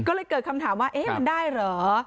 ก็เลยเกิดคำถามว่าเอ๊ะมันได้เหรอ